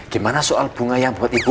gimana soal bunga yang buat ibu